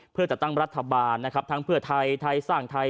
เพื่อจัดตั้งรัฐบาลนะครับทั้งเพื่อไทยไทยสร้างไทย